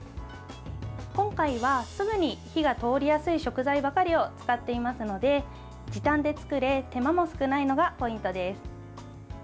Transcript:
今回は、すぐに火が通りやすい食材ばかりを使っていますので時短で作れ、手間も少ないのがポイントです。